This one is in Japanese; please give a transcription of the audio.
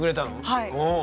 はい。